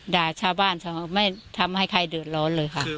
ด่าชาวบ้านไม่ทำให้ใครเดือดร้อนเลยค่ะ